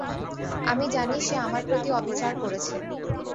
আমি জানি সে আমার প্রতি অবিচার করেছে!